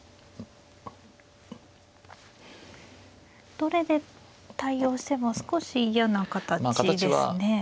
どれで対応しても少し嫌な形ですね。